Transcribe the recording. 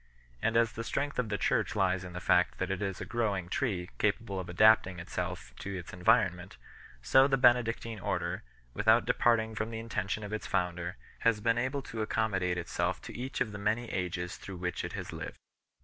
And as the strength of the Church lies in the fact that it is a growing tree, capable of adapting itself to its environment, so the Benedictine Order, without departing from the intention of its founder, has been able to accommodate itself to each of the many ages through which it has lived.